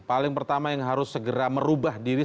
paling pertama yang harus segera merubah diri